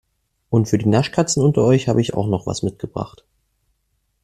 Und für die Naschkatzen unter euch habe ich noch was mitgebracht.